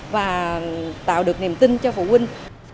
và tạo được niềm tin cho phụ huynh